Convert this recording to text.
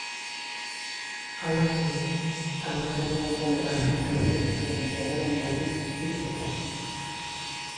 Hala ere, agintarien kontra argitaratu zituen poemengatik hil zuten.